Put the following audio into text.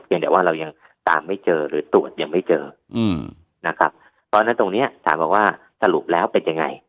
ยังแต่ว่าเรายังตามไม่เจอหรือตรวจยังไม่เจอนะครับเพราะฉะนั้นตรงเนี้ยสารบอกว่าสรุปแล้วเป็นยังไง